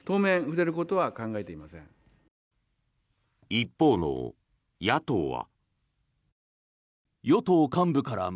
一方の野党は。